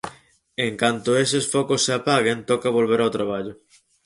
En canto eses focos se apaguen, toca volver ao traballo.